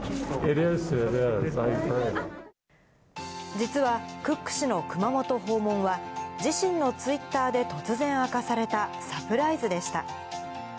実はクック氏の熊本訪問は、自身のツイッターで突然明かされたサプライズでした。